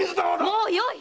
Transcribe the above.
もうよい！